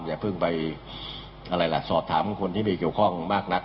อย่าเพิ่งไปสอบถามคนที่มีเกี่ยวข้องมากนัก